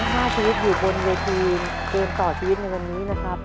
๕ชีวิตอยู่บนเวทีเกมต่อชีวิตในวันนี้นะครับ